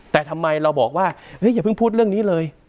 แต่ทำไมเราบอกว่าอย่าเพิ่งพูดเรื่องนี้เลย